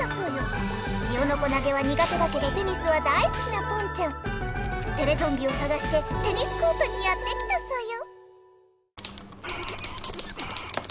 ジオノコ投げはにがてだけどテニスはだいすきなポンちゃんテレゾンビをさがしてテニスコートにやって来たソヨ！